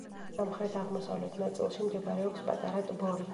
სამხრეთ-აღმოსავლეთ ნაწილში მდებარეობს პატარა ტბორი.